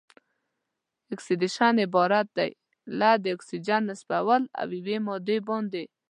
اکسیدیشن عبارت دی له د اکسیجن نصبول په یوې مادې باندې.